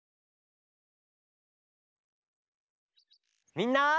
みんな！